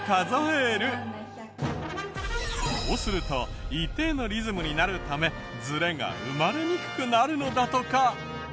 こうすると一定のリズムになるためズレが生まれにくくなるのだとか。